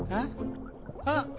あっ！